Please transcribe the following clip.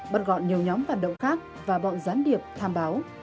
bắt gọn nhiều nhóm phản động khác và bọn gián điệp tham báo